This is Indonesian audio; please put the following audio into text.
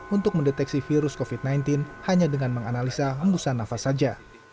untuk mendeteksi virus covid sembilan belas hanya dengan menganalisa hembusan nafas saja